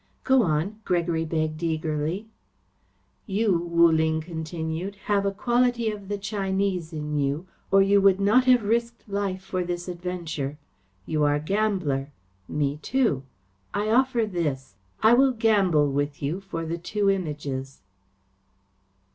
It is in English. "Go on," Gregory begged eagerly. "You," Wu Ling continued, "have a quality of the Chinese in you, or you would not have risked life for this adventure. You are gambler. Me too. I offer this. I will gamble with you for the two Images."